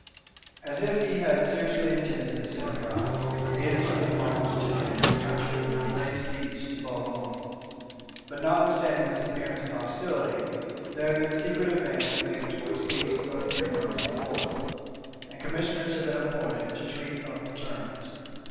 As if he had seriously intended this enterprise, he instantly marched into the enemy's country, and laid siege to Boulogne: but notwithstanding this appearance of hostility, there had been secret advances made towards peace above three months before; and commissioners had been appointed to treat of the terms.